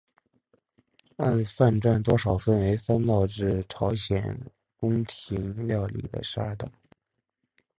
按饭馔多少分为三道至朝鲜宫廷料理的十二道。